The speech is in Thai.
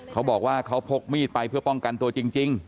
เขาบอกว่าเขาพกมีดไปเพื่อป้องกันตัวจริง